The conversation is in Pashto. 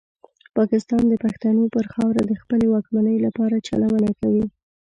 پاکستان د پښتنو پر خاوره د خپلې واکمنۍ لپاره چلونه کوي.